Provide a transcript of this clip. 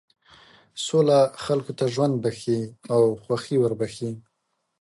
سوله خلکو ته ژوند بښي او خوښي وربښي.